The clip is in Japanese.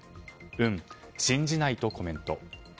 うん、信じないとコメント。